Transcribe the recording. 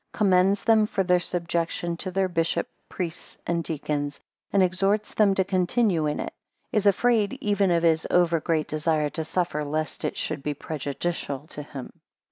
5 Commends them for their subjection to their bishop, priests, and deacons; and exhorts them to continue in it: 15 is afraid even of his over great desire to suffer, lest it should be prejudicial to him.